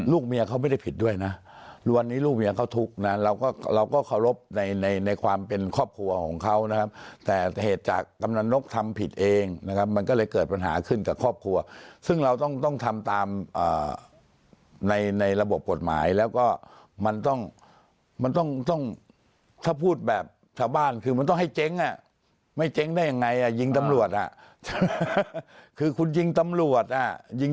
เมียเขาไม่ได้ผิดด้วยนะวันนี้ลูกเมียเขาทุกข์นะเราก็เราก็เคารพในในความเป็นครอบครัวของเขานะครับแต่เหตุจากกำลังนกทำผิดเองนะครับมันก็เลยเกิดปัญหาขึ้นกับครอบครัวซึ่งเราต้องต้องทำตามในในระบบกฎหมายแล้วก็มันต้องมันต้องต้องถ้าพูดแบบชาวบ้านคือมันต้องให้เจ๊งอ่ะไม่เจ๊งได้ยังไงอ่ะยิงตำรวจอ่ะคือคุณยิงตำรวจอ่ะยิง